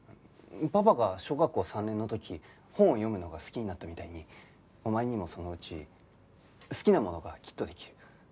パパが小学校３年の時本を読むのが好きになったみたいにお前にもそのうち好きなものがきっとできる。